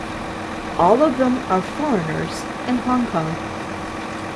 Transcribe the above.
All of them are foreigners in Hong Kong.